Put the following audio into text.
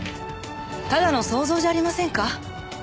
ただの想像じゃありませんか？